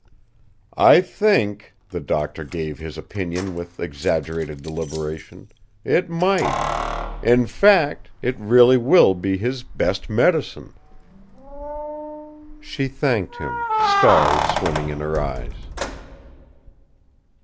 "I think," the doctor gave his opinion with exaggerated deliberation, "it might in fact, it really will be his best medicine." She thanked him, stars swimming in her eyes.